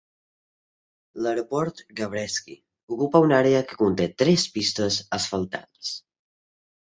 L'aeroport Gabreski ocupa una àrea que conté tres pistes asfaltades.